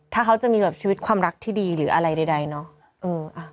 ถ้าเขาจะมีแบบชีวิตความรักที่ดีหรืออะไรใดเนาะ